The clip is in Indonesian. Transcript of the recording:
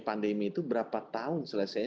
pandemi itu berapa tahun selesainya